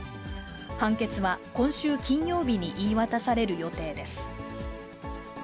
判決は今週金曜日に言い渡される予定です。